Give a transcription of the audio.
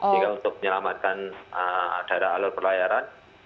sehingga untuk menyelamatkan daerah alur perlayaran